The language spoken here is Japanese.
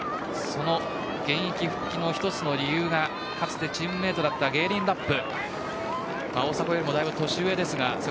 現役復帰の一つの理由がチームメートだったゲーレン・ラップ